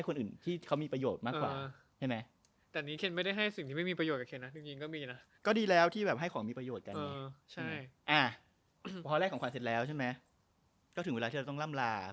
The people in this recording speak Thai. คือเพลงมันก็บอกอยู่ว่า